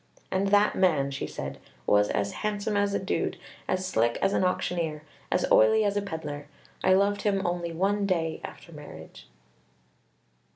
"And that man," she said, "was as handsome as a dude, as slick as an auctioneer, as oily as a pedler; I loved him only one day after marriage."